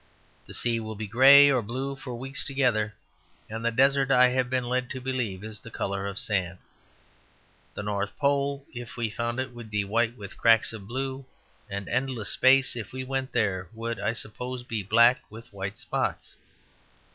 The sea will be grey or blue for weeks together; and the desert, I have been led to believe, is the colour of sand. The North Pole (if we found it) would be white with cracks of blue; and Endless Space (if we went there) would, I suppose, be black with white spots.